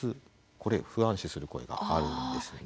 これ不安視する声があるんですね。